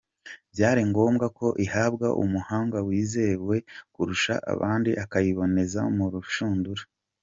Byari ngombwa ko ihabwa umuhanga wizewe kurusha abandi akayiboneza mu rushundura.